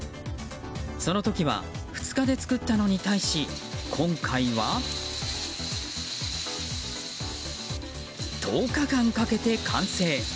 その時は、２日で作ったのに対し今回は。１０日間かけて完成。